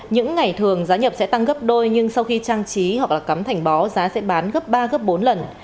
những ngày thường giá nhập sẽ tăng gấp đôi nhưng sau khi trang trí hoặc là cắm thành bó giá sẽ bán gấp ba gấp bốn lần